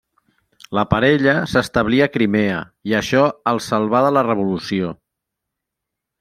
La parella s'establí a Crimea i això els salvà de la Revolució.